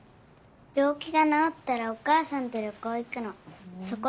病気が治ったらお母さんと旅行行くの。